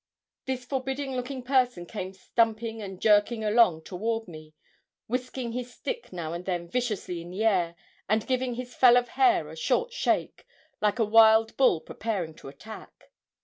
This forbidding looking person came stumping and jerking along toward me, whisking his stick now and then viciously in the air, and giving his fell of hair a short shake, like a wild bull preparing to attack.